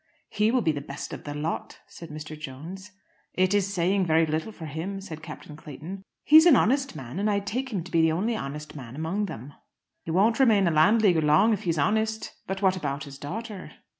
"He will be the best of the lot," said Mr. Jones. "It is saying very little for him," said Captain Clayton. "He is an honest man, and I take him to be the only honest man among them." "He won't remain a Landleaguer long if he is honest. But what about his daughter?"